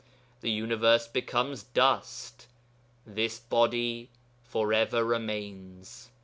The universe becomes dust; this Body for ever remains.